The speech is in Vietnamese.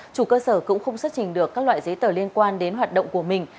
chủ cơ sở cũng không xuất trình được các loại giấy tờ liên quan đến hoạt động của mình